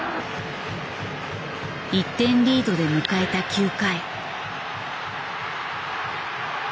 １点リードで迎えた９回。